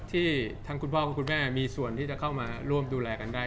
ที่ทั้งคุณพ่อคุณแม่มีส่วนที่จะเข้ามาร่วมดูแลกันได้